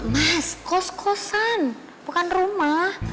mas kos kosan bukan rumah